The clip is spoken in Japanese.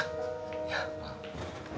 いやまあ。